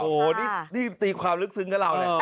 โธ่โธ่นี่อยู่ในความลึกซึ้งกะเราเนี่ย